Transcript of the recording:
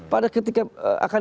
pada ketika akan